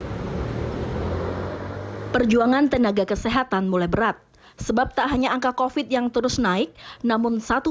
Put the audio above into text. hai perjuangan tenaga kesehatan mulai berat sebab tak hanya angka kofit yang terus naik namun satu